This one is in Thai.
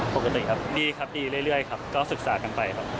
ปกติครับดีครับดีเรื่อยครับก็ศึกษากันไปครับ